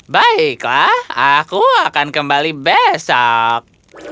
baiklah aku akan kembali besok